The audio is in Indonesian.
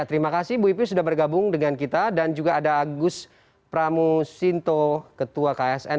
terima kasih ibu ipi sudah bergabung dengan kita dan juga ada agus pramusinto ketua ksn